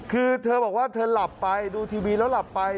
คือเธอบอกว่าเธอหลับไปดูทีวีแล้วหลับไป